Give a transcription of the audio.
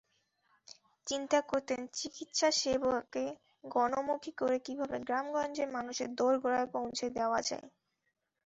চিন্তা করতেন চিকিৎসাসেবাকে গণমুখী করে কীভাবে গ্রামগঞ্জে মানুষের দোরগোড়ায় পৌঁছে দেওয়া যায়।